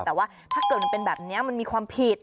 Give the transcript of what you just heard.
แต่ว่าถ้าเกิดมันเป็นแบบนี้มันมีความผิด